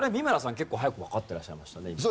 結構早くわかってらっしゃいましたね。